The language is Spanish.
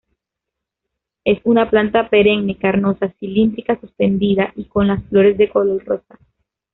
Es una planta perenne carnosa, cilíndrica-suspendida y con las flores de color rosa.